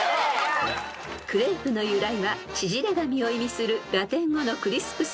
［クレープの由来は縮れ髪を意味するラテン語のクリスプス］